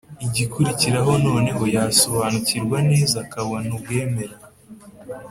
igikurikiraho noneho yasobanukirwa neza akabona ubwemera.